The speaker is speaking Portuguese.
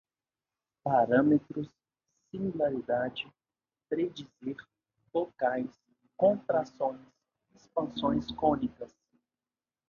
parâmetros, similaridade, predizer, bocais, contrações, expansões cônicas